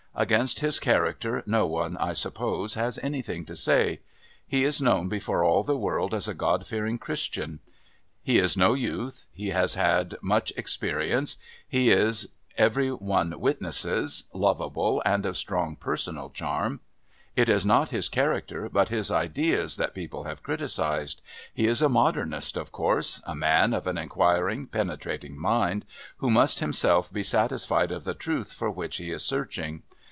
Against his character no one, I suppose, has anything to say. He is known before all the world as a God fearing Christian. He is no youth; he has had much experience; he is, every one witnesses, lovable and of strong personal charm. It is not his character, but his ideas, that people have criticised. He is a modernist, of course, a man of an enquiring, penetrating mind, who must himself be satisfied of the truth for which he is searching.